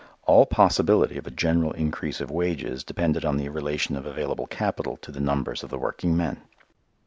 All possibility of a general increase of wages depended on the relation of available capital to the numbers of the working men.